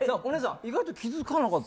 意外と気づかなかった？